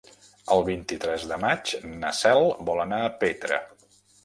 El vint-i-tres de maig na Cel vol anar a Petra.